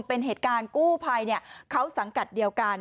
เป็นเหตุการณ์กู้ภัยเขาสังกัดเดียวกัน